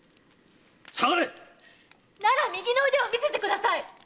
さがれ！なら右の腕を見せてください！